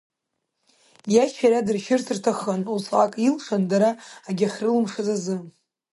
Иашьцәа иара дыршьырцы рҭахын усҟак илшаны, дара агьахьрылымшаз азы.